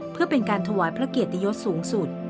เพื่อเป็นการถวายพระเกียรติยศสูงสุด